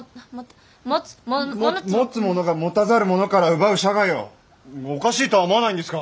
持つ者が持たざる者から奪う社会をおかしいとは思わないんですか！